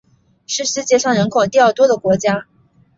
是世界上人口第二多的国家。